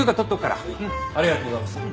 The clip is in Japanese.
ありがとうございます。